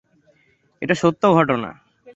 এটা সত্য ঘটনা।